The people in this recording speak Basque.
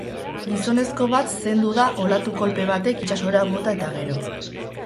Gizonezko bat zendu da olatu kolpe batek itsasora bota eta gero.